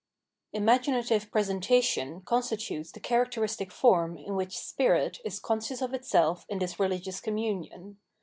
Imaginative presentation constitutes the characteristic form in which spirit is conscious of itself in this religious communion.